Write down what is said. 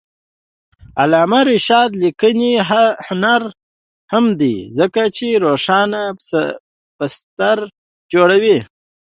د علامه رشاد لیکنی هنر مهم دی ځکه چې روښانه بستر جوړوي.